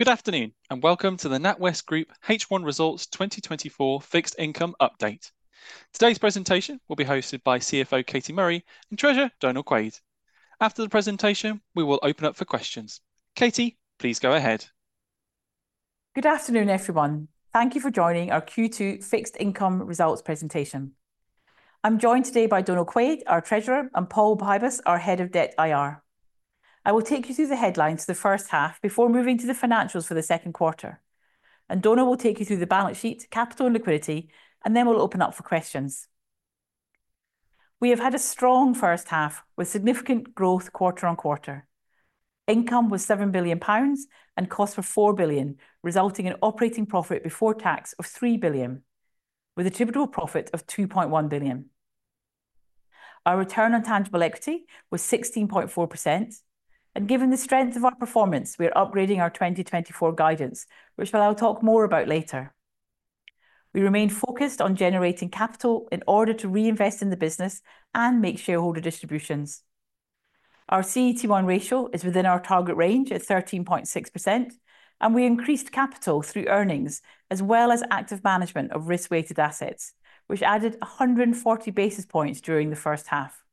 Good afternoon and welcome to the NatWest Group H1 Results 2024 Fixed Income Update. Today's presentation will be hosted by CFO Katie Murray and Treasurer Donal Quaid. After the presentation, we will open up for questions. Katie, please go ahead. Good afternoon, everyone. Thank you for joining our Q2 Fixed Income Results presentation. I'm joined today by Donal Quaid, our Treasurer, and Paul Pybus, our Head of Debt IR. I will take you through the headlines for the first half before moving to the financials for the second quarter. Donal will take you through the balance sheet, capital and liquidity, and then we'll open up for questions. We have had a strong first half with significant growth quarter on quarter. Income was 7 billion pounds and costs were 4 billion, resulting in operating profit before tax of 3 billion, with a statutory profit of 2.1 billion. Our return on tangible equity was 16.4%. Given the strength of our performance, we are upgrading our 2024 guidance, which I'll talk more about later. We remain focused on generating capital in order to reinvest in the business and make shareholder distributions. Our CET1 ratio is within our target range at 13.6%, and we increased capital through earnings as well as active management of risk-weighted assets, which added 140 basis points during the first half.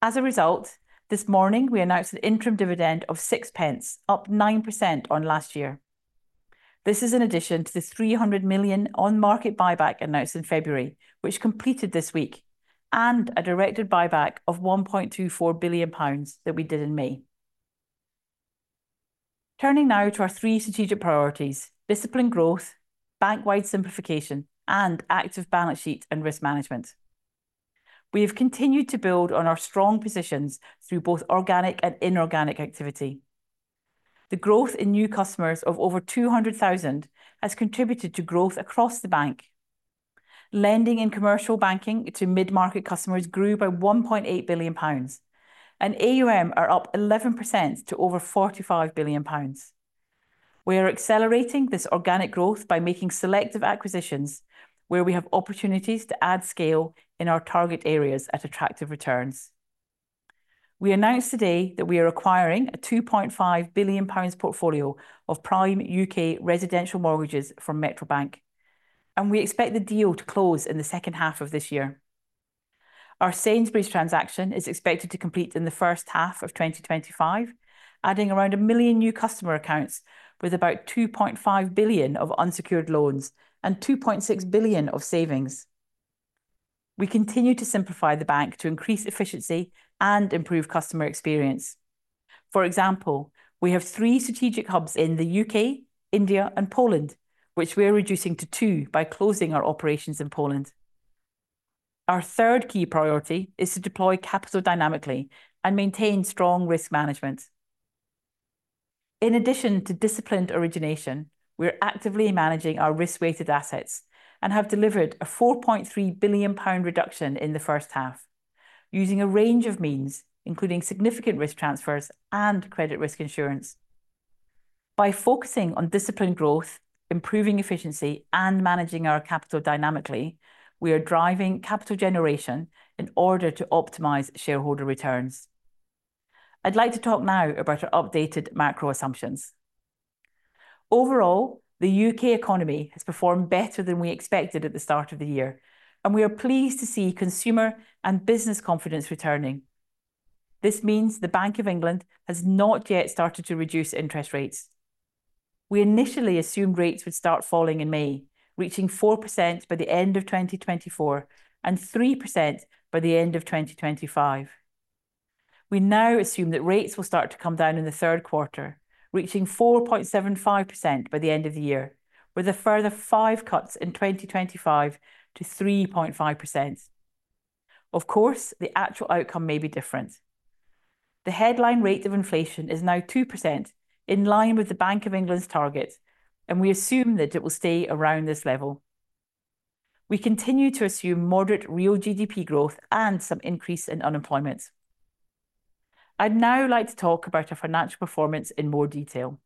As a result, this morning we announced an interim dividend of £0.06, up 9% on last year. This is in addition to the £300 million on-market buyback announced in February, which completed this week, and a directed buyback of £1.24 billion that we did in May. Turning now to our three strategic priorities: disciplined growth, bank-wide simplification, and active balance sheet and risk management. We have continued to build on our strong positions through both organic and inorganic activity. The growth in new customers of over 200,000 has contributed to growth across the bank. Lending in commercial banking to mid-market customers grew by £1.8 billion, and AUM are up 11% to over £45 billion. We are accelerating this organic growth by making selective acquisitions, where we have opportunities to add scale in our target areas at attractive returns. We announced today that we are acquiring a 2.5 billion pounds portfolio of Prime UK residential mortgages from Metro Bank, and we expect the deal to close in the second half of this year. Our Sainsbury's transaction is expected to complete in the first half of 2025, adding around 1 million new customer accounts with about 2.5 billion of unsecured loans and 2.6 billion of savings. We continue to simplify the bank to increase efficiency and improve customer experience. For example, we have 3 strategic hubs in the U.K., India, and Poland, which we are reducing to 2 by closing our operations in Poland. Our third key priority is to deploy capital dynamically and maintain strong risk management. In addition to disciplined origination, we are actively managing our risk-weighted assets and have delivered a 4.3 billion pound reduction in the first half, using a range of means, including significant risk transfers and credit risk insurance. By focusing on disciplined growth, improving efficiency, and managing our capital dynamically, we are driving capital generation in order to optimize shareholder returns. I'd like to talk now about our updated macro assumptions. Overall, the U.K. economy has performed better than we expected at the start of the year, and we are pleased to see consumer and business confidence returning. This means the Bank of England has not yet started to reduce interest rates. We initially assumed rates would start falling in May, reaching 4% by the end of 2024 and 3% by the end of 2025. We now assume that rates will start to come down in the third quarter, reaching 4.75% by the end of the year, with a further 5 cuts in 2025 to 3.5%. Of course, the actual outcome may be different. The headline rate of inflation is now 2%, in line with the Bank of England's target, and we assume that it will stay around this level. We continue to assume moderate real GDP growth and some increase in unemployment. I'd now like to talk about our financial performance in more detail.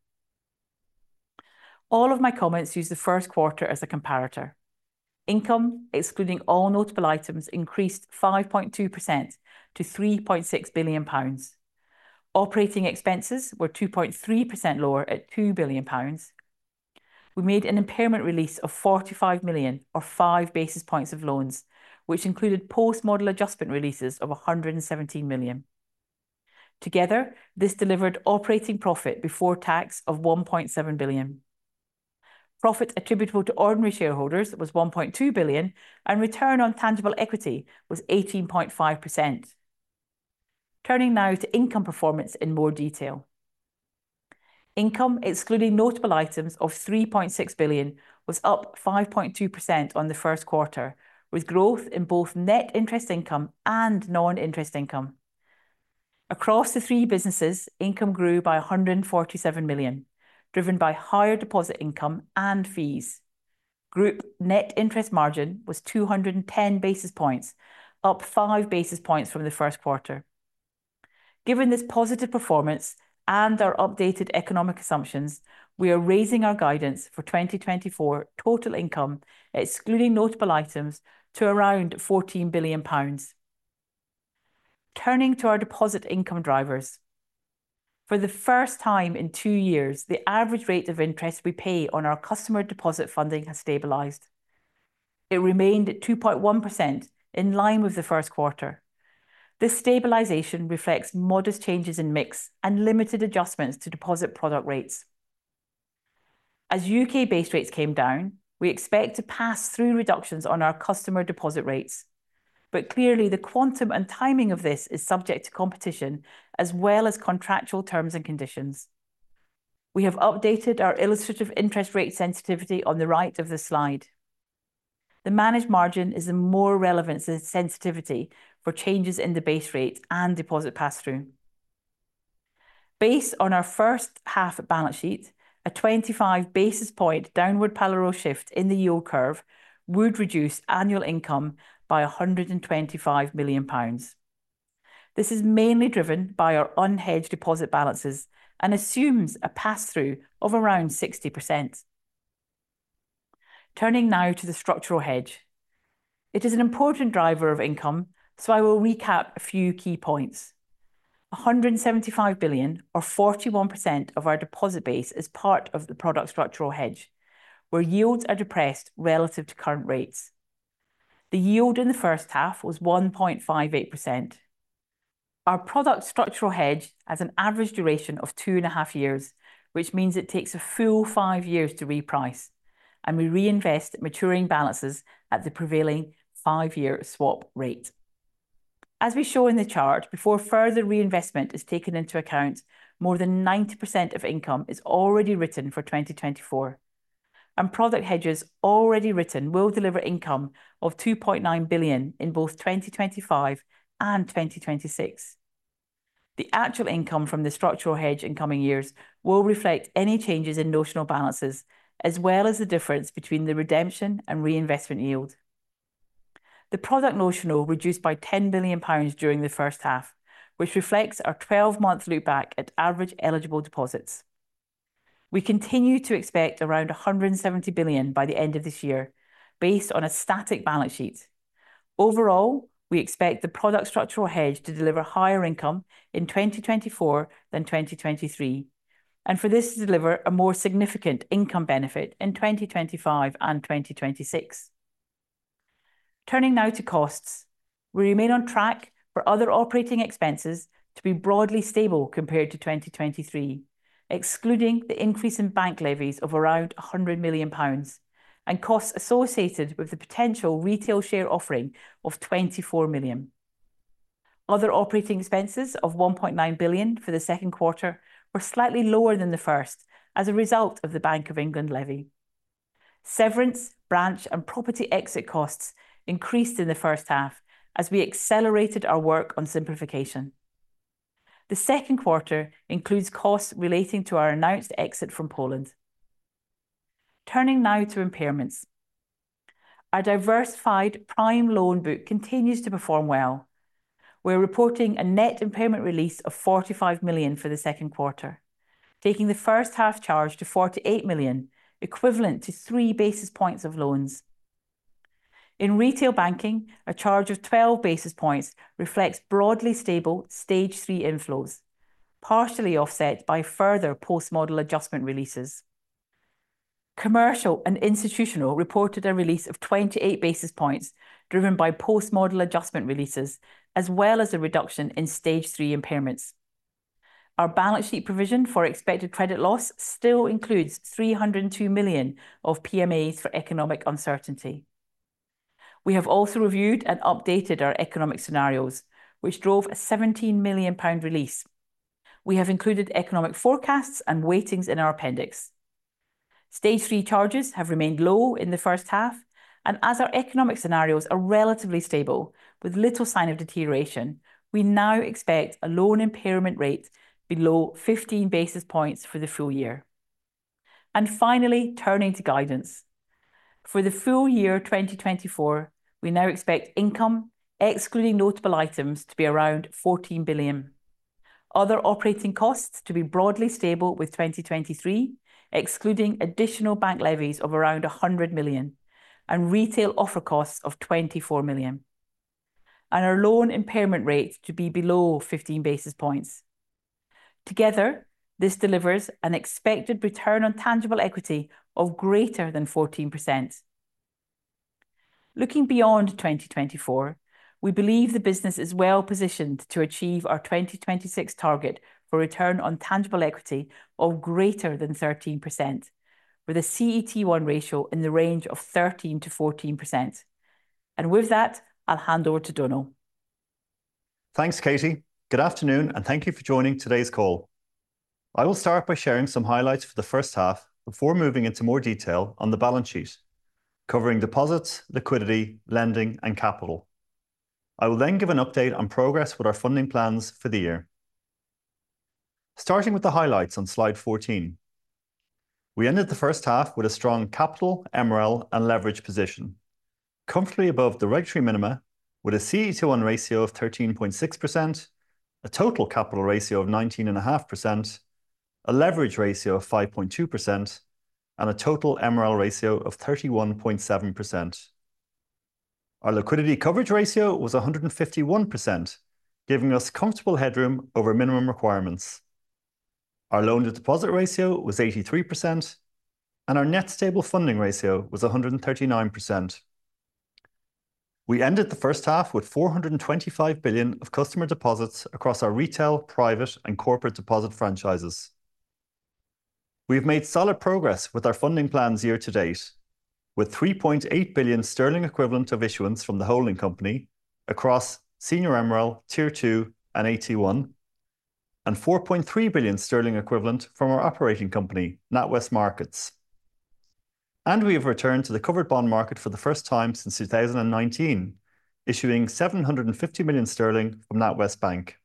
All of my comments use the first quarter as a comparator. Income, excluding all notable items, increased 5.2% to 3.6 billion pounds. Operating expenses were 2.3% lower at 2 billion pounds. We made an impairment release of 45 million, or 5 basis points of loans, which included post-model adjustment releases of 117 million. Together, this delivered operating profit before tax of £1.7 billion. Profit attributable to ordinary shareholders was £1.2 billion, and return on tangible equity was 18.5%. Turning now to income performance in more detail. Income, excluding notable items, of £3.6 billion was up 5.2% on the first quarter, with growth in both net interest income and non-interest income. Across the three businesses, income grew by £147 million, driven by higher deposit income and fees. Group net interest margin was 210 basis points, up five basis points from the first quarter. Given this positive performance and our updated economic assumptions, we are raising our guidance for 2024 total income, excluding notable items, to around £14 billion. Turning to our deposit income drivers. For the first time in two years, the average rate of interest we pay on our customer deposit funding has stabilized. It remained at 2.1%, in line with the first quarter. This stabilization reflects modest changes in mix and limited adjustments to deposit product rates. As UK-based rates came down, we expect to pass through reductions on our customer deposit rates. But clearly, the quantum and timing of this is subject to competition, as well as contractual terms and conditions. We have updated our illustrative interest rate sensitivity on the right of the slide. The managed margin is a more relevant sensitivity for changes in the base rate and deposit pass-through. Based on our first half balance sheet, a 25 basis point downward parallel shift in the yield curve would reduce annual income by £125 million. This is mainly driven by our unhedged deposit balances and assumes a pass-through of around 60%. Turning now to the structural hedge. It is an important driver of income, so I will recap a few key points. 175 billion, or 41% of our deposit base, is part of the product structural hedge, where yields are depressed relative to current rates. The yield in the first half was 1.58%. Our product structural hedge has an average duration of two and a half years, which means it takes a full five years to reprice, and we reinvest maturing balances at the prevailing five-year swap rate. As we show in the chart, before further reinvestment is taken into account, more than 90% of income is already written for 2024, and product hedges already written will deliver income of 2.9 billion in both 2025 and 2026. The actual income from the structural hedge in coming years will reflect any changes in notional balances, as well as the difference between the redemption and reinvestment yield. The product notional reduced by 10 billion pounds during the first half, which reflects our 12-month look-back at average eligible deposits. We continue to expect around 170 billion by the end of this year, based on a static balance sheet. Overall, we expect the product structural hedge to deliver higher income in 2024 than 2023, and for this to deliver a more significant income benefit in 2025 and 2026. Turning now to costs, we remain on track for other operating expenses to be broadly stable compared to 2023, excluding the increase in bank levies of around 100 million pounds and costs associated with the potential retail share offering of 24 million. Other operating expenses of 1.9 billion for the second quarter were slightly lower than the first as a result of the Bank of England levy. Severance, branch, and property exit costs increased in the first half as we accelerated our work on simplification. The second quarter includes costs relating to our announced exit from Poland. Turning now to impairments. Our diversified Prime loan book continues to perform well. We're reporting a net impairment release of 45 million for the second quarter, taking the first half charge to 48 million, equivalent to 3 basis points of loans. In retail banking, a charge of 12 basis points reflects broadly stable Stage 3 inflows, partially offset by further post-model adjustment releases. Commercial and Institutional reported a release of 28 basis points driven by post-model adjustment releases, as well as a reduction in Stage 3 impairments. Our balance sheet provision for expected credit loss still includes 302 million of PMAs for economic uncertainty. We have also reviewed and updated our economic scenarios, which drove a 17 million pound release. We have included economic forecasts and weightings in our appendix. Stage 3 charges have remained low in the first half, and as our economic scenarios are relatively stable with little sign of deterioration, we now expect a loan impairment rate below 15 basis points for the full year. Finally, turning to guidance. For the full year 2024, we now expect income, excluding notable items, to be around 14 billion, other operating costs to be broadly stable with 2023, excluding additional bank levies of around 100 million, and retail offer costs of 24 million, and our loan impairment rate to be below 15 basis points. Together, this delivers an expected return on tangible equity of greater than 14%. Looking beyond 2024, we believe the business is well positioned to achieve our 2026 target for return on tangible equity of greater than 13%, with a CET1 ratio in the range of 13%-14%. And with that, I'll hand over to Donal. Thanks, Katie. Good afternoon, and thank you for joining today's call. I will start by sharing some highlights for the first half before moving into more detail on the balance sheet, covering deposits, liquidity, lending, and capital. I will then give an update on progress with our funding plans for the year. Starting with the highlights on slide 14. We ended the first half with a strong capital, MREL, and leverage position, comfortably above the regulatory minima, with a CET1 ratio of 13.6%, a total capital ratio of 19.5%, a leverage ratio of 5.2%, and a total MREL ratio of 31.7%. Our liquidity coverage ratio was 151%, giving us comfortable headroom over minimum requirements. Our loan-to-deposit ratio was 83%, and our net stable funding ratio was 139%. We ended the first half with 425 billion of customer deposits across our retail, private, and corporate deposit franchises. We have made solid progress with our funding plans year to date, with 3.8 billion sterling equivalent of issuance from the holding company across senior MREL, Tier 2, and AT1, and 4.3 billion sterling equivalent from our operating company, NatWest Markets. We have returned to the covered bond market for the first time since 2019, issuing 750 million sterling from NatWest Bank.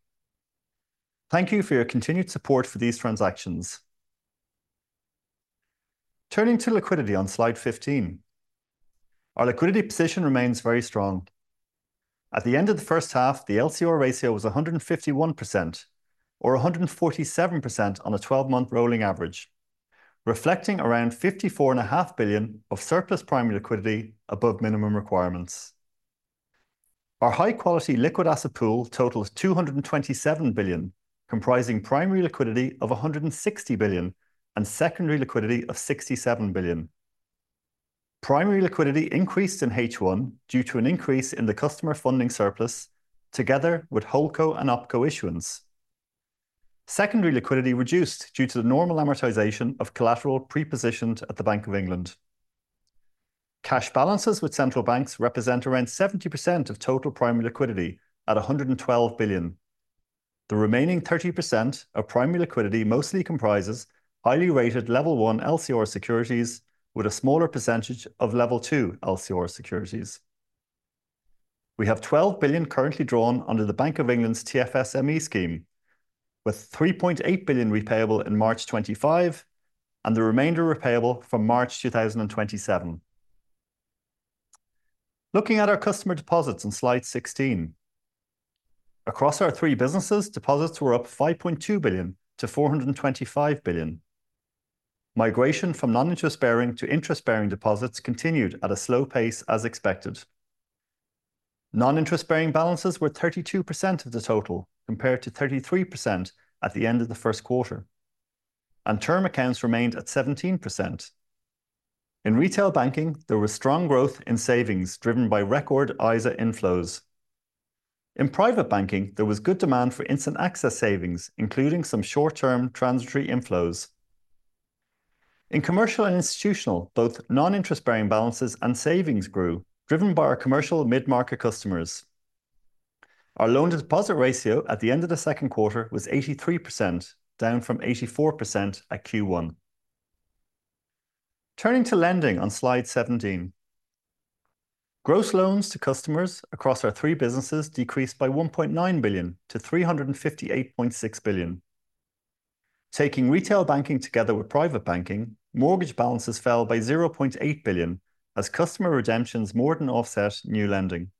Thank you for your continued support for these transactions. Turning to liquidity on slide 15. Our liquidity position remains very strong. At the end of the first half, the LCR ratio was 151%, or 147% on a 12-month rolling average, reflecting around 54.5 billion of surplus primary liquidity above minimum requirements. Our high-quality liquid asset pool totaled 227 billion, comprising primary liquidity of 160 billion and secondary liquidity of 67 billion. Primary liquidity increased in H1 due to an increase in the customer funding surplus, together with HoldCo and OpCo issuance. Secondary liquidity reduced due to the normal amortization of collateral pre-positioned at the Bank of England. Cash balances with central banks represent around 70% of total primary liquidity at 112 billion. The remaining 30% of primary liquidity mostly comprises highly rated Level 1 LCR securities, with a smaller percentage of Level 2 LCR securities. We have 12 billion currently drawn under the Bank of England's TFSME scheme, with 3.8 billion repayable in March 2025 and the remainder repayable from March 2027. Looking at our customer deposits on slide 16. Across our three businesses, deposits were up 5.2 billion to 425 billion. Migration from non-interest bearing to interest bearing deposits continued at a slow pace, as expected. Non-interest bearing balances were 32% of the total, compared to 33% at the end of the first quarter, and term accounts remained at 17%. In retail banking, there was strong growth in savings driven by record ISA inflows. In private banking, there was good demand for instant access savings, including some short-term transitory inflows. In commercial and institutional, both non-interest bearing balances and savings grew, driven by our commercial mid-market customers. Our loan-to-deposit ratio at the end of the second quarter was 83%, down from 84% at Q1. Turning to lending on slide 17. Gross loans to customers across our three businesses decreased by 1.9 billion to 358.6 billion. Taking retail banking together with private banking, mortgage balances fell by 0.8 billion as customer redemptions more than offset new lending.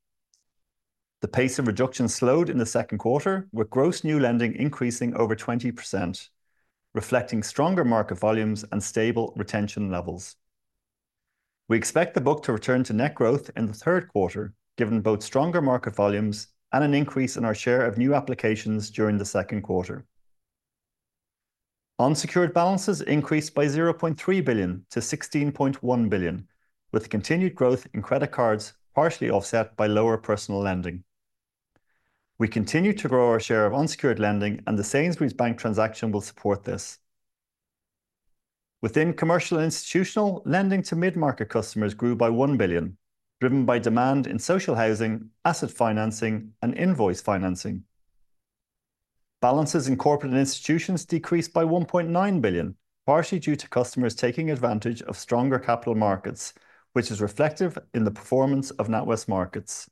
The pace of reduction slowed in the second quarter, with gross new lending increasing over 20%, reflecting stronger market volumes and stable retention levels. We expect the book to return to net growth in the third quarter, given both stronger market volumes and an increase in our share of new applications during the second quarter. Unsecured balances increased by 0.3 billion to 16.1 billion, with continued growth in credit cards, partially offset by lower personal lending. We continue to grow our share of unsecured lending, and the Sainsbury's Bank transaction will support this. Within commercial and institutional, lending to mid-market customers grew by 1 billion, driven by demand in social housing, asset financing, and invoice financing. Balances in corporate and institutions decreased by 1.9 billion, partially due to customers taking advantage of stronger capital markets, which is reflective in the performance of NatWest Markets.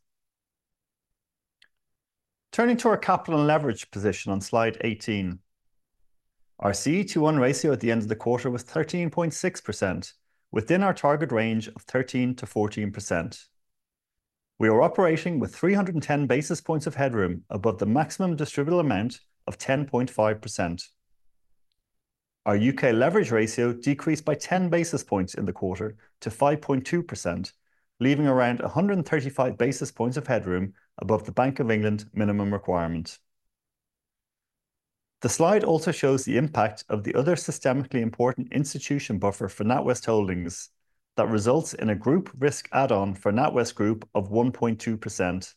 Turning to our capital and leverage position on slide 18. Our CET1 ratio at the end of the quarter was 13.6%, within our target range of 13%-14%. We are operating with 310 basis points of headroom above the maximum distributable amount of 10.5%. Our UK leverage ratio decreased by 10 basis points in the quarter to 5.2%, leaving around 135 basis points of headroom above the Bank of England minimum requirement. The slide also shows the impact of the other systemically important institution buffer for NatWest Holdings, that results in a group risk add-on for NatWest Group of 1.2%.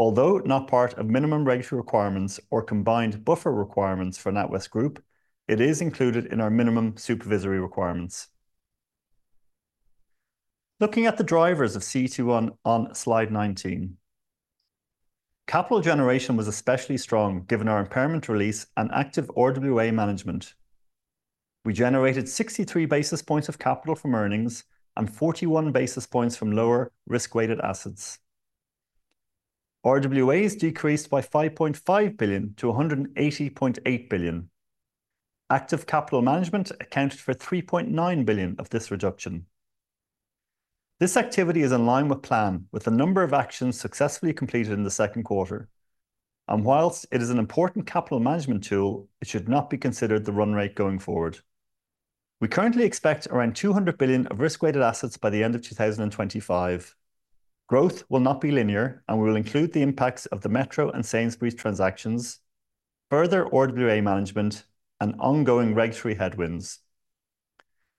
Although not part of minimum regulatory requirements or combined buffer requirements for NatWest Group, it is included in our minimum supervisory requirements. Looking at the drivers of CET1 on slide 19. Capital generation was especially strong given our impairment release and active RWA management. We generated 63 basis points of capital from earnings and 41 basis points from lower risk-weighted assets. RWAs decreased by 5.5 billion to 180.8 billion. Active capital management accounted for 3.9 billion of this reduction. This activity is in line with plan, with the number of actions successfully completed in the second quarter. And while it is an important capital management tool, it should not be considered the run rate going forward. We currently expect around 200 billion of risk-weighted assets by the end of 2025. Growth will not be linear, and we will include the impacts of the Metro and Sainsbury's transactions, further RWA management, and ongoing regulatory headwinds.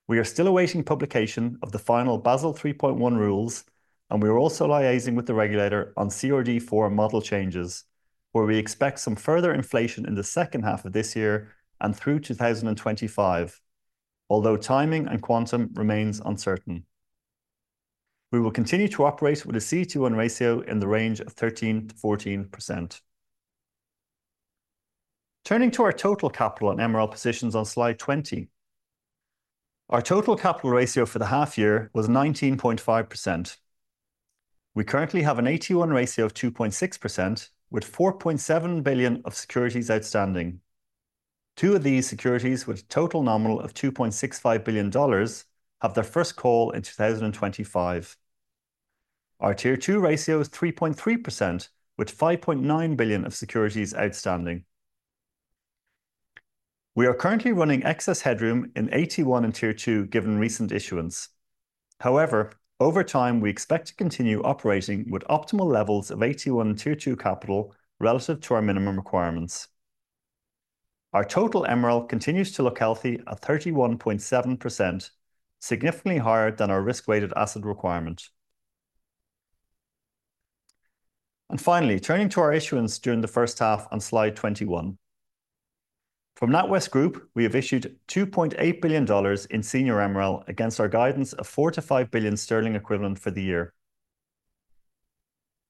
We are still awaiting publication of the final Basel 3.1 rules, and we are also liaising with the regulator on CRD IV model changes, where we expect some further inflation in the second half of this year and through 2025, although timing and quantum remains uncertain. We will continue to operate with a CET1 ratio in the range of 13%-14%. Turning to our total capital and MREL positions on slide 20. Our total capital ratio for the half year was 19.5%. We currently have an AT1 ratio of 2.6%, with 4.7 billion of securities outstanding. Two of these securities, with a total nominal of $2.65 billion, have their first call in 2025. Our Tier 2 ratio is 3.3%, with 5.9 billion of securities outstanding. We are currently running excess headroom in AT1 and Tier 2 given recent issuance. However, over time, we expect to continue operating with optimal levels of AT1 and Tier 2 capital relative to our minimum requirements. Our total MREL continues to look healthy at 31.7%, significantly higher than our risk-weighted asset requirement. Finally, turning to our issuance during the first half on slide 21. From NatWest Group, we have issued GBP 2.8 billion in senior MREL against our guidance of 4-5 billion sterling equivalent for the year.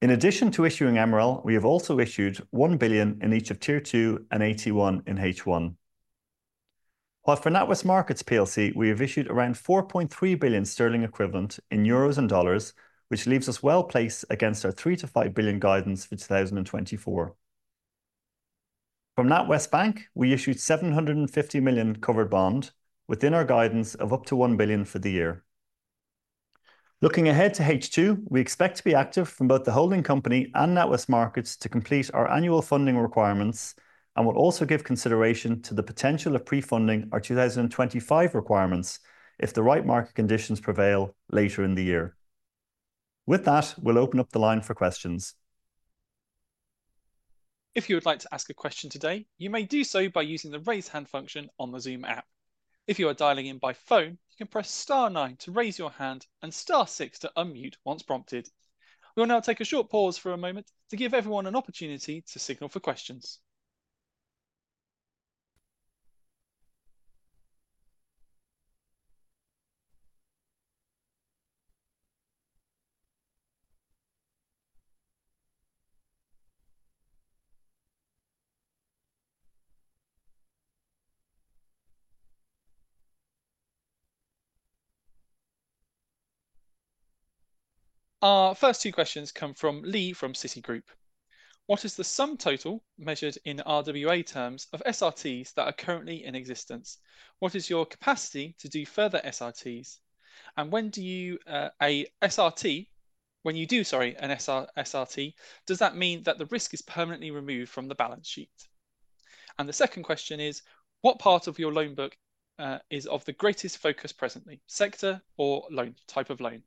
In addition to issuing MREL, we have also issued 1 billion in each of Tier 2 and AT1 in H1. While for NatWest Markets PLC, we have issued around 4.3 billion sterling equivalent in euros and dollars, which leaves us well placed against our 3 billion-5 billion guidance for 2024. From NatWest Bank, we issued 750 million covered bond within our guidance of up to 1 billion for the year. Looking ahead to H2, we expect to be active from both the holding company and NatWest Markets to complete our annual funding requirements and will also give consideration to the potential of pre-funding our 2025 requirements if the right market conditions prevail later in the year. With that, we'll open up the line for questions. If you would like to ask a question today, you may do so by using the raise hand function on the Zoom app. If you are dialing in by phone, you can press star nine to raise your hand and star six to unmute once prompted. We will now take a short pause for a moment to give everyone an opportunity to signal for questions. Our first two questions come from Lee from Citi. What is the sum total measured in RWA terms of SRTs that are currently in existence? What is your capacity to do further SRTs? And when do you a SRT, when you do, sorry, an SRT, does that mean that the risk is permanently removed from the balance sheet? And the second question is, what part of your loan book is of the greatest focus presently, sector or loan type of loan?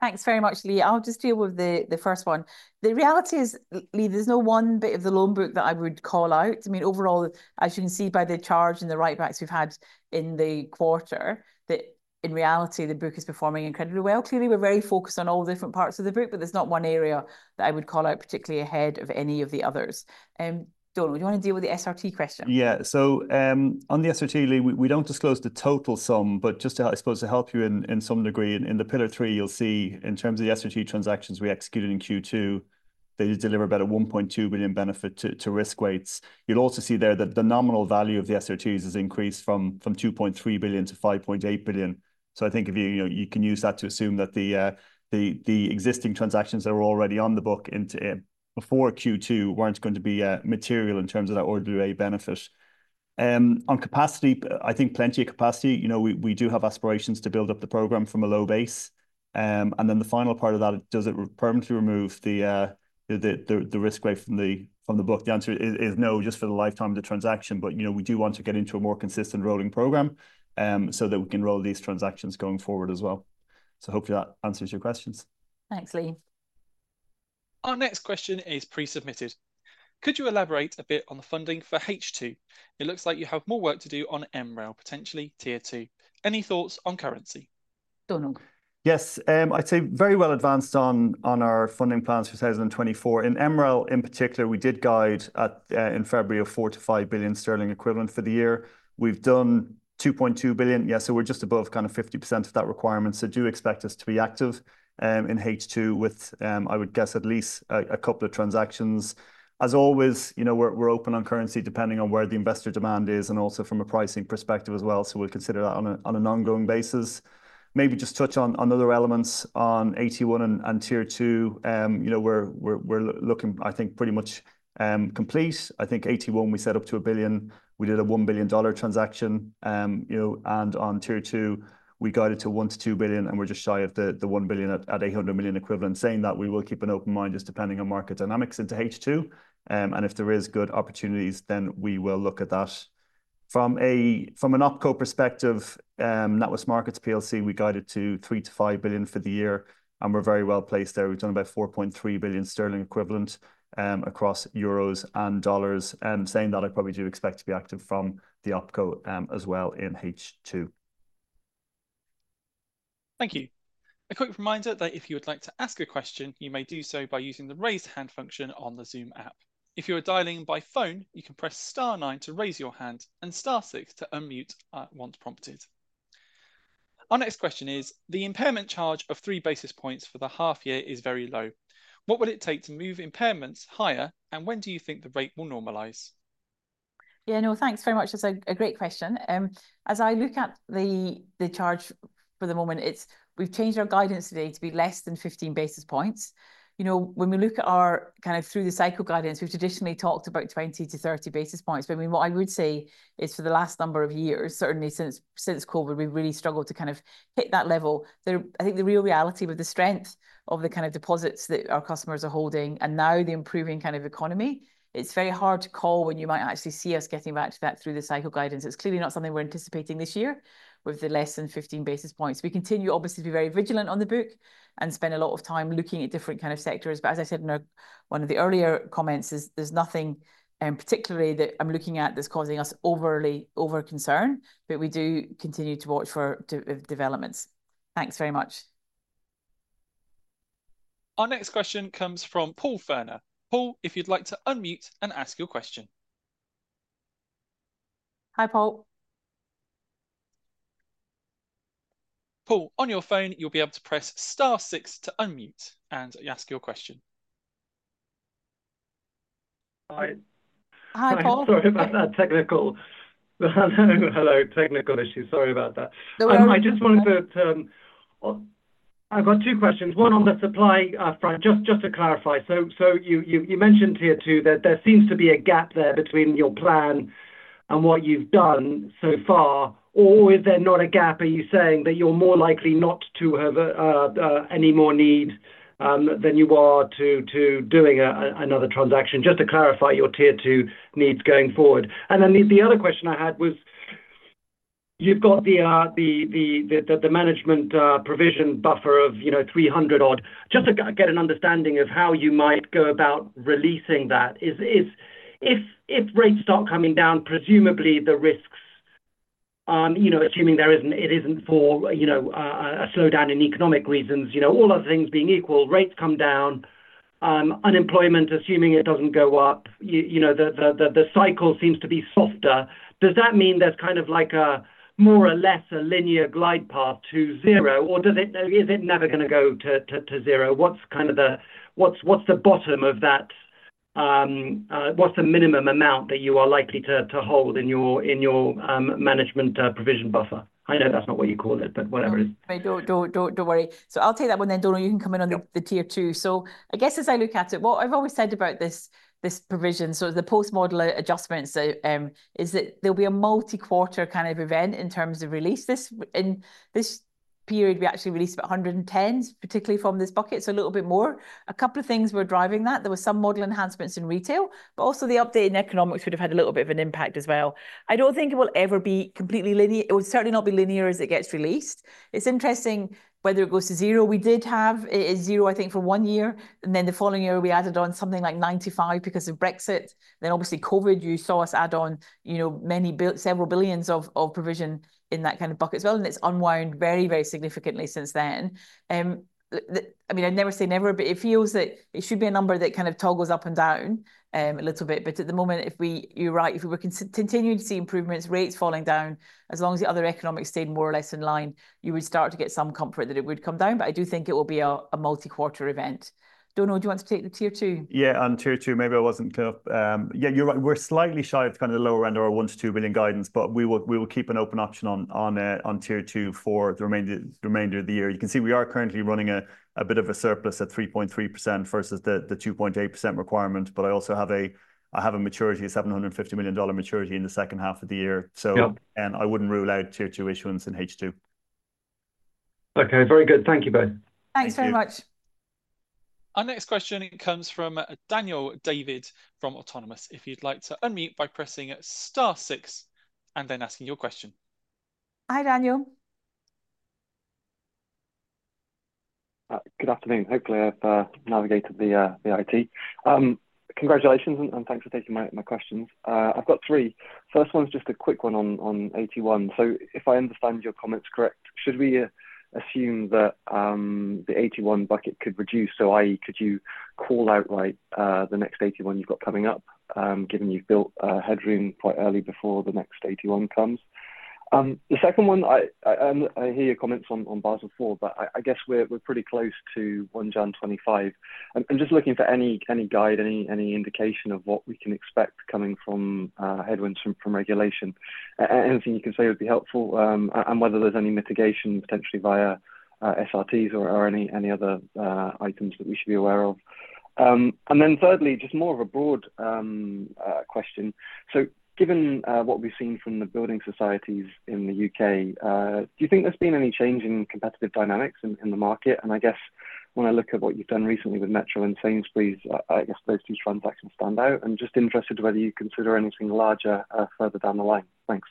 Thanks very much, Lee. I'll just deal with the first one. The reality is, Lee, there's no one bit of the loan book that I would call out. I mean, overall, as you can see by the charge and the write-backs we've had in the quarter, that in reality, the book is performing incredibly well. Clearly, we're very focused on all the different parts of the book, but there's not one area that I would call out particularly ahead of any of the others. Donal, do you want to deal with the SRT question? Yeah, so on the SRT, Lee, we don't disclose the total sum, but just to, I suppose, to help you in some degree, in the Pillar 3, you'll see in terms of the SRT transactions we executed in Q2, they deliver about a £1.2 billion benefit to risk weights. You'll also see there that the nominal value of the SRTs has increased from 2.3 billion to 5.8 billion. So I think if you can use that to assume that the existing transactions that were already on the book before Q2 weren't going to be material in terms of that RWA benefit. On capacity, I think plenty of capacity. You know, we do have aspirations to build up the program from a low base. And then the final part of that, does it permanently remove the risk weight from the book? The answer is no, just for the lifetime of the transaction. But you know, we do want to get into a more consistent rolling program so that we can roll these transactions going forward as well. So hopefully that answers your questions. Thanks, Lee. Our next question is pre-submitted. Could you elaborate a bit on the funding for H2? It looks like you have more work to do on MREL, potentially Tier 2. Any thoughts on currency? Donal. Yes, I'd say very well advanced on our funding plans for 2024. In MREL in particular, we did guide in February of £4-£5 billion equivalent for the year. We've done £2.2 billion. Yeah, so we're just above kind of 50% of that requirement. So do expect us to be active in H2 with, I would guess, at least a couple of transactions. As always, you know, we're open on currency depending on where the investor demand is and also from a pricing perspective as well. So we'll consider that on an ongoing basis. Maybe just touch on other elements on AT1 and Tier 2. You know, we're looking, I think, pretty much complete. I think AT1 we set up to £1 billion. We did a $1 billion transaction. You know, and on Tier 2, we guided to $1 billion-$2 billion, and we're just shy of the $1 billion at $800 million equivalent, saying that we will keep an open mind just depending on market dynamics into H2. And if there is good opportunities, then we will look at that. From an OpCo perspective, NatWest Markets PLC, we guided to £3 billion-£5 billion for the year, and we're very well placed there. We've done about £4.3 billion equivalent across euros and dollars, saying that I probably do expect to be active from the OpCo as well in H2. Thank you. A quick reminder that if you would like to ask a question, you may do so by using the raise hand function on the Zoom app. If you are dialing in by phone, you can press star nine to raise your hand and star six to unmute once prompted. Our next question is, the impairment charge of 3 basis points for the half year is very low. What will it take to move impairments higher, and when do you think the rate will normalize? Yeah, no, thanks very much. That's a great question. As I look at the charge for the moment, we've changed our guidance today to be less than 15 basis points. You know, when we look at our kind of through the cycle guidance, we've traditionally talked about 20-30 basis points. But I mean, what I would say is for the last number of years, certainly since COVID, we've really struggled to kind of hit that level. I think the real reality with the strength of the kind of deposits that our customers are holding and now the improving kind of economy, it's very hard to call when you might actually see us getting back to that through the cycle guidance. It's clearly not something we're anticipating this year with the less than 15 basis points. We continue obviously to be very vigilant on the book and spend a lot of time looking at different kind of sectors. But as I said in one of the earlier comments, there's nothing particularly that I'm looking at that's causing us overly over concern, but we do continue to watch for developments. Thanks very much. Our next question comes from Paul Fenner-Leitao. Paul, if you'd like to unmute and ask your question. Hi Paul. Paul, on your phone, you'll be able to press star six to unmute and ask your question. Hi. Hi Paul. Sorry about that technical. Hello, hello, technical issue. Sorry about that. I just wanted to, I've got two questions. One on the supply front, just to clarify. So you mentioned Tier 2, there seems to be a gap there between your plan and what you've done so far. Or is there not a gap? Are you saying that you're more likely not to have any more need than you are to doing another transaction? Just to clarify your Tier 2 needs going forward. And then the other question I had was, you've got the management provision buffer of 300-odd. Just to get an understanding of how you might go about releasing that. If rates start coming down, presumably the risks, assuming there isn't, it isn't for a slowdown in economic reasons, all other things being equal, rates come down, unemployment assuming it doesn't go up, you know the cycle seems to be softer. Does that mean there's kind of like a more or less a linear glide path to zero, or is it never going to go to zero? What's kind of the, what's the bottom of that? What's the minimum amount that you are likely to hold in your management provision buffer? I know that's not what you call it, but whatever it is. Don't worry. I'll take that one. Then Donal, you can come in on the Tier 2. So I guess as I look at it, what I've always said about this provision, so the post-model adjustments, is that there'll be a multi-quarter kind of event in terms of release. This period, we actually released about 110, particularly from this bucket, so a little bit more. A couple of things were driving that. There were some model enhancements in retail, but also the updated economics would have had a little bit of an impact as well. I don't think it will ever be completely linear. It will certainly not be linear as it gets released. It's interesting whether it goes to zero. We did have it as zero, I think, for one year. And then the following year, we added on something like 95 because of Brexit. Then obviously COVID, you saw us add on, you know, many several billion GBP in that kind of bucket as well. And it's unwound very, very significantly since then. I mean, I'd never say never, but it feels that it should be a number that kind of toggles up and down a little bit. But at the moment, if we, you're right, if we were continuing to see improvements, rates falling down, as long as the other economics stayed more or less in line, you would start to get some comfort that it would come down. But I do think it will be a multi-quarter event. Donal, do you want to take the Tier 2? Yeah, on Tier 2, maybe I wasn't clear up. Yeah, you're right. We're slightly shy of kind of the lower end or a 1-2 billion guidance, but we will keep an open option on Tier 2 for the remainder of the year. You can see we are currently running a bit of a surplus at 3.3% versus the 2.8% requirement, but I also have a maturity, a $750 million maturity in the second half of the year. So again, I wouldn't rule out Tier 2 issuance in H2. Okay, very good. Thank you both. Thanks very much. Our next question comes from Daniel David from Daniel David. If you'd like to unmute by pressing star six and then asking your question. Hi Daniel. Good afternoon. Hopefully I've navigated the IT. Congratulations and thanks for taking my questions. I've got three. First one is just a quick one on AT1. So if I understand your comments correct, should we assume that the AT1 bucket could reduce? So i.e., could you call out right the next AT1 you've got coming up, given you've built a headroom quite early before the next AT1 comes? The second one, I hear your comments on Basel IV, but I guess we're pretty close to January 1, 2025. I'm just looking for any guide, any indication of what we can expect coming from headwinds from regulation. Anything you can say would be helpful and whether there's any mitigation potentially via SRTs or any other items that we should be aware of. And then thirdly, just more of a broad question. So given what we've seen from the building societies in the U.K., do you think there's been any change in competitive dynamics in the market? I guess when I look at what you've done recently with Metro and Sainsbury's, I guess those two transactions stand out. I'm just interested whether you consider anything larger further down the line. Thanks.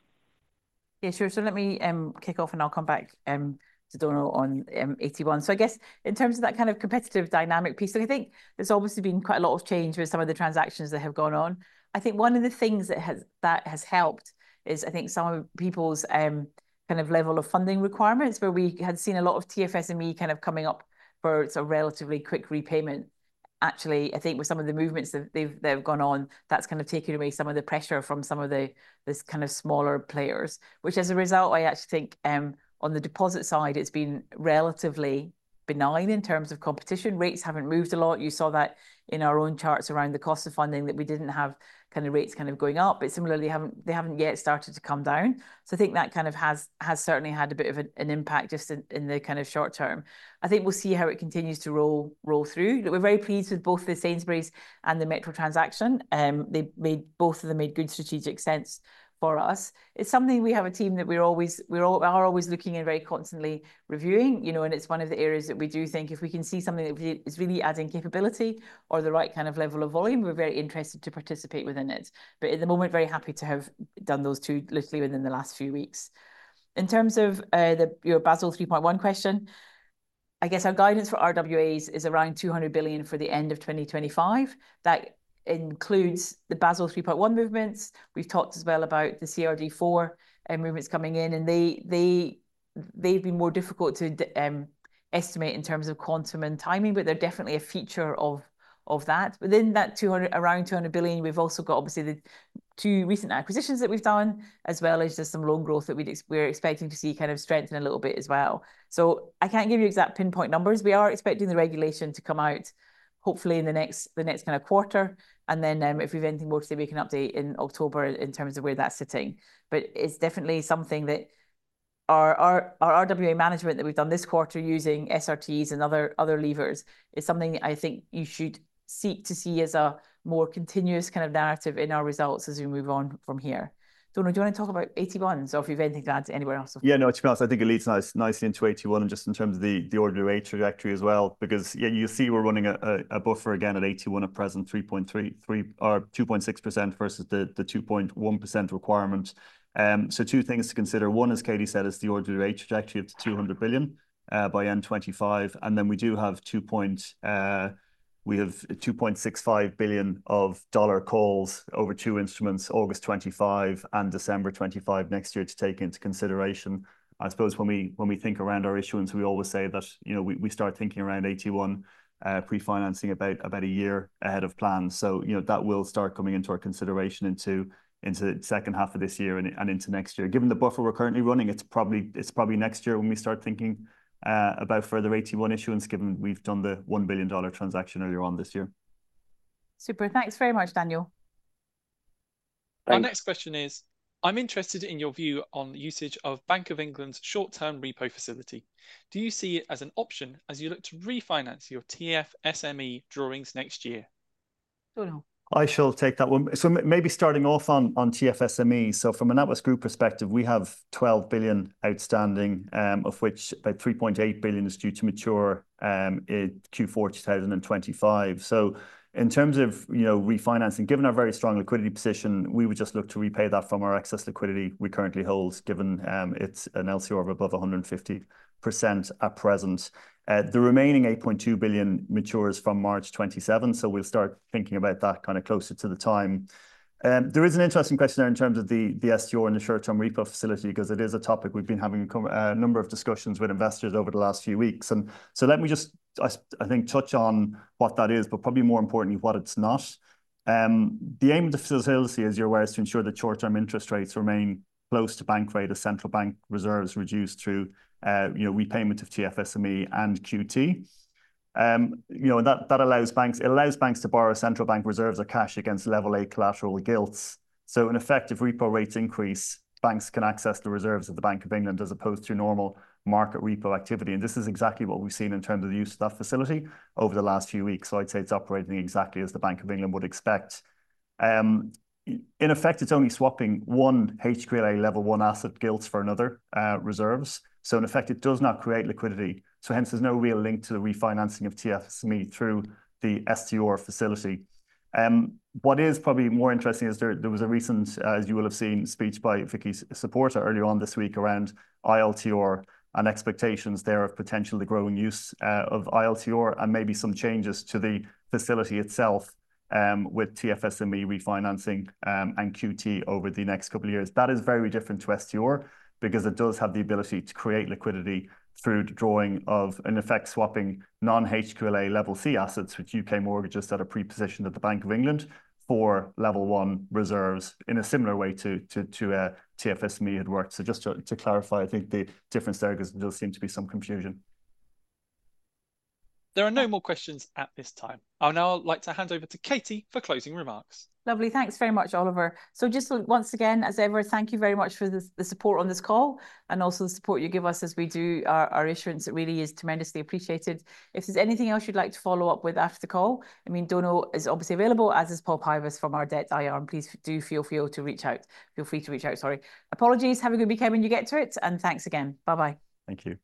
Yeah, sure. Let me kick off and I'll come back to Donal on AT1. I guess in terms of that kind of competitive dynamic piece, I think there's obviously been quite a lot of change with some of the transactions that have gone on. I think one of the things that has helped is I think some of people's kind of level of funding requirements where we had seen a lot of TFSME kind of coming up for sort of relatively quick repayment. Actually, I think with some of the movements that have gone on, that's kind of taken away some of the pressure from some of this kind of smaller players, which as a result, I actually think on the deposit side, it's been relatively benign in terms of competition. Rates haven't moved a lot. You saw that in our own charts around the cost of funding that we didn't have kind of rates kind of going up, but similarly, they haven't yet started to come down. So I think that kind of has certainly had a bit of an impact just in the kind of short term. I think we'll see how it continues to roll through. We're very pleased with both the Sainsbury's and the Metro transaction. Both of them made good strategic sense for us. It's something we have a team that we're always looking at very constantly reviewing, you know, and it's one of the areas that we do think if we can see something that is really adding capability or the right kind of level of volume, we're very interested to participate within it. But at the moment, very happy to have done those two literally within the last few weeks. In terms of your Basel 3.1 question, I guess our guidance for RWAs is around 200 billion for the end of 2025. That includes the Basel 3.1 movements. We've talked as well about the CRD IV movements coming in, and they've been more difficult to estimate in terms of quantum and timing, but they're definitely a feature of that. Within that 200, around $200 billion, we've also got obviously the 2 recent acquisitions that we've done, as well as just some loan growth that we're expecting to see kind of strengthen a little bit as well. So I can't give you exact pinpoint numbers. We are expecting the regulation to come out hopefully in the next kind of quarter. And then if we've anything more to say, we can update in October in terms of where that's sitting. But it's definitely something that our RWA management that we've done this quarter using SRTs and other levers is something I think you should seek to see as a more continuous kind of narrative in our results as we move on from here. Donal, do you want to talk about AT1? Or if you've anything to add to anywhere else? Yeah, not too much. I think it leads nicely into AT1 and just in terms of the ordinary rate trajectory as well, because you see we're running a buffer again at AT1 at present, 3.3% or 2.6% versus the 2.1% requirement. So two things to consider. One is, Katie said, it's the ordinary rate trajectory of $200 billion by end 2025. And then we do have 2. We have $2.65 billion of dollar calls over two instruments, August 2025 and December 2025 next year to take into consideration. I suppose when we think around our issuance, we always say that, you know, we start thinking around AT1 pre-financing about a year ahead of plan. So, you know, that will start coming into our consideration into the second half of this year and into next year. Given the buffer we're currently running, it's probably next year when we start thinking about further AT1 issuance, given we've done the $1 billion transaction earlier on this year. Super. Thanks very much, Daniel. Our next question is, I'm interested in your view on usage of Bank of England's short-term repo facility. Do you see it as an option as you look to refinance your TFSME drawings next year? Donal. I shall take that one. So maybe starting off on TFSME. So from a NatWest Group perspective, we have $12 billion outstanding, of which about $3.8 billion is due to mature in Q4 2025. So in terms of, you know, refinancing, given our very strong liquidity position, we would just look to repay that from our excess liquidity we currently hold, given it's an LCR of above 150% at present. The remaining $8.2 billion matures from March 27. So we'll start thinking about that kind of closer to the time. There is an interesting question there in terms of the STR and the short-term repo facility, because it is a topic we've been having a number of discussions with investors over the last few weeks. And so let me just, I think, touch on what that is, but probably more importantly, what it's not. The aim of the facility, as you're aware, is to ensure that short-term interest rates remain close to Bank Rate as central bank reserves reduce through, you know, repayment of TFSME and QT. You know, and that allows banks to borrow central bank reserves or cash against Level A collateral gilts. So in effect, if repo rates increase, banks can access the reserves of the Bank of England as opposed to normal market repo activity. And this is exactly what we've seen in terms of the use of that facility over the last few weeks. So I'd say it's operating exactly as the Bank of England would expect. In effect, it's only swapping one HQLA Level 1 asset gilts for another reserves. So in effect, it does not create liquidity. So hence, there's no real link to the refinancing of TFSME through the STR facility. What is probably more interesting is there was a recent, as you will have seen, speech by Vicky Saporta earlier on this week around ILTR and expectations there of potentially the growing use of ILTR and maybe some changes to the facility itself with TFSME refinancing and QT over the next couple of years. That is very different to STR because it does have the ability to create liquidity through drawing of, in effect, swapping non-HQLA Level C assets, which UK mortgages that are pre-positioned at the Bank of England for Level 1 reserves in a similar way to TFSME had worked. So just to clarify, I think the difference there because there does seem to be some confusion. There are no more questions at this time. I'll now like to hand over to Katie for closing remarks. Lovely. Thanks very much, Oliver. So just once again, as ever, thank you very much for the support on this call and also the support you give us as we do our issuance. It really is tremendously appreciated. If there's anything else you'd like to follow up with after the call, I mean, Donal is obviously available, as is Paul Pybus from our Debt IR team. Please do feel free to reach out. Feel free to reach out. Sorry. Apologies. Have a good weekend when you get to it. Thanks again. Bye-bye. Thank you.